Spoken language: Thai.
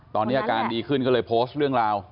ตอนนี้อาการดีขึ้นก็เลยโพสต์เรื่องราว